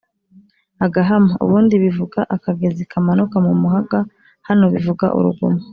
agahama: ubundi bivuga akagezi kamanuka mu muhaga hano bivuga uruguma